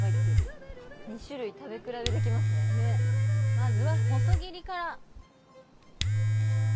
まずは細切りから。